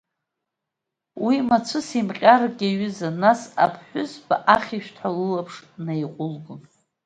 Уи мацәыс еимҟьарак иаҩызан, нас аԥҳәызба ахьышәҭҳәа лылаԥш неиҟәылгон.